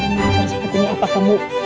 apa maksud sepatunya apa kamu